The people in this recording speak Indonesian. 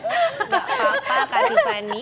gak apa apa kak desani